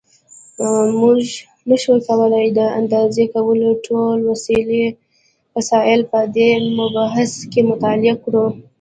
مونږ نشو کولای د اندازه کولو ټول وسایل په دې مبحث کې مطالعه کړو.